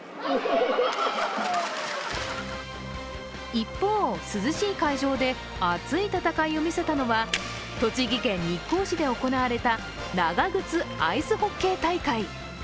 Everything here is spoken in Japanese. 一方、涼しい会場で熱い戦いを見せたのは栃木県日光市で行われた長ぐつアイスホッケー大会。